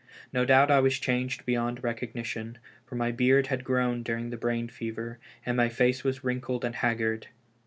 No doubt I was changed beyond recognition, for my beard had grown during the brain fever, and my face was wrinkled and haggard.